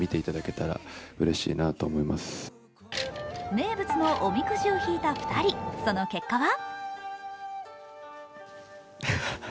名物のおみくじをひいた２人その結果は？